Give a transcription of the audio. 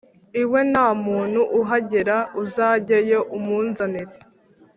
iwe nta muntu uhagera, uzajyeyo umunzanire.”